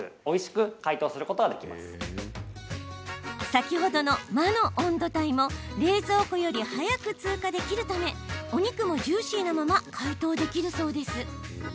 先ほどの魔の温度帯も冷蔵庫より早く通過できるためお肉もジューシーなまま解凍できるそうです。